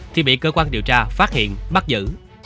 thì bị cơ quan điều tra phát hiện bắt giữ